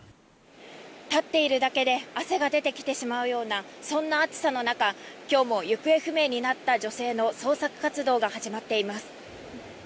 立っているだけで汗が出てきてしまうようなそんな暑さの中今日も行方不明になった女性の捜索活動が始まっています。